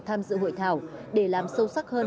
tham dự hội thảo để làm sâu sắc hơn